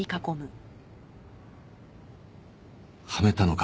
はめたのか？